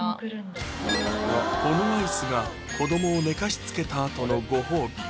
このアイスが子どもを寝かしつけた後のご褒美